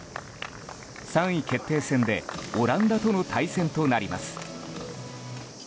３位決定戦でオランダとの対戦となります。